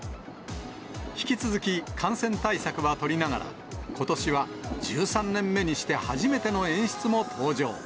引き続き、感染対策は取りながら、ことしは１３年目にして初めての演出も登場。